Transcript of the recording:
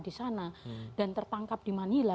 di sana dan tertangkap di manila